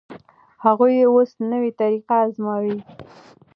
هغوی اوس نوې طریقه ازمويي.